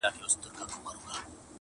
پر یوه بیرغ به ټول سي اولسونه-